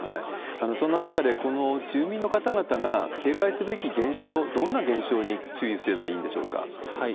そんな中で、この住民の方々が警戒すべき現象、どんな現象に注意すればいいんでしょうか？